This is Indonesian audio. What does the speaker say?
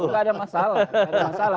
gak ada masalah